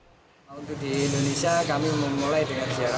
untuk di indonesia kami memulai dengan sejarah